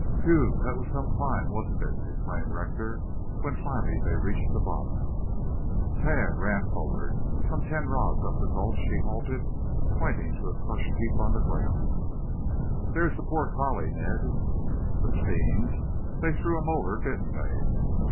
"Whew! That was some climb, wasn't it?" exclaimed Rector when finally they reached the bottom. Tad ran forward. Some ten rods up the gulch he halted, pointing to a crushed heap on the ground. "There's the poor collie, Ned." "The fiends! They threw him over, didn't they?"